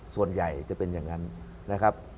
ส่วนใหญ่จะเป็นอย่างนั้นนะครับ